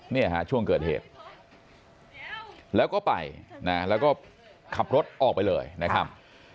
เนี่ยฮะช่วงเกิดเหตุแล้วก็ไปนะแล้วก็ขับรถออกไปเลยนะครับ